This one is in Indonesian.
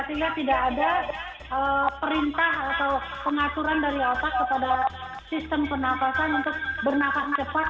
sehingga tidak ada perintah atau pengaturan dari otak kepada sistem pernafasan untuk bernafas cepat